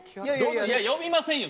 呼びませんよ